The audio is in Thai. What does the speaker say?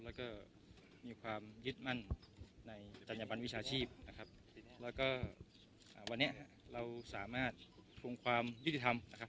แล้วก็มีความยึดมั่นในจัญญบันวิชาชีพนะครับแล้วก็วันนี้เราสามารถทวงความยุติธรรมนะครับ